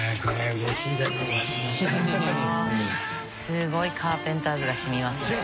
すごいカーペンターズが染みますね。